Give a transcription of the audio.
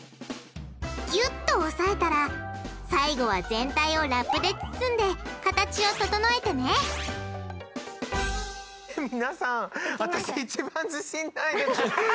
ぎゅっと押さえたら最後は全体をラップで包んで形を整えてねみなさん。